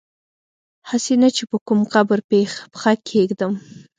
هسي نه چي په کوم قبر پښه کیږدم